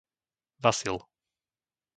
Vasil